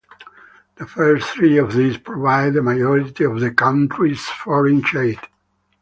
The first three of these provide the majority of the country's foreign aid.